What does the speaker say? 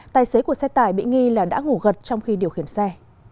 tài xế của xe tải bị nghi là đã ngủ gật trong khi điều khiển xe